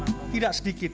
mereka juga berpikir